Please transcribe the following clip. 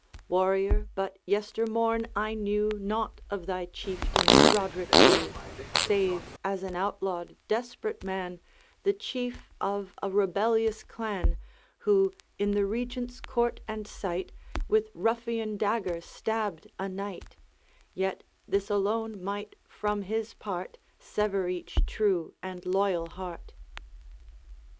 'Warrior, but yester morn I knew Naught of thy Chieftain, Roderick Dhu, Save as an outlawed desperate man, The chief of a rebellious clan, Who, in the Regent's court and sight, With ruffian dagger stabbed a knight; Yet this alone might from his part Sever each true and loyal heart.'